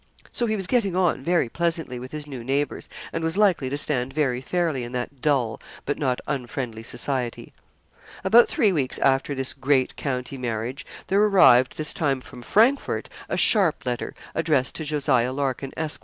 So he was getting on very pleasantly with his new neighbours, and was likely to stand very fairly in that dull, but not unfriendly society. About three weeks after this great county marriage, there arrived, this time from Frankfort, a sharp letter, addressed to Jos. Larkin, Esq.